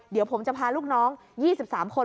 เดี๋ยวผมจะพาลูกน้อง๒๓คน